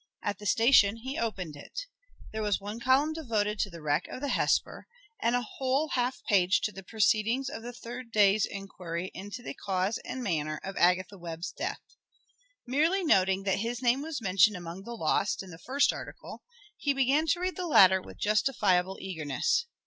At the station he opened it. There was one column devoted to the wreck of the Hesper, and a whole half page to the proceedings of the third day's inquiry into the cause and manner of Agatha Webb's death. Merely noting that his name was mentioned among the lost, in the first article, he began to read the latter with justifiable eagerness.